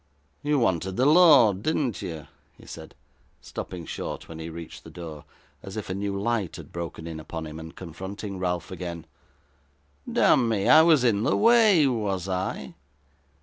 'You wanted the lord, did you?' he said, stopping short when he reached the door, as if a new light had broken in upon him, and confronting Ralph again. 'Damme, I was in the way, was I?